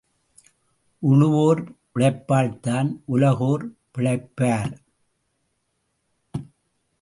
உழுவோர் உழைப்பால்தான் உலகோர் பிழைப்பார்.